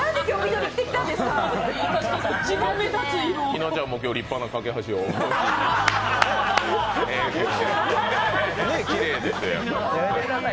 稲ちゃんも今日、立派な架け橋をお持ち、きれいですよ。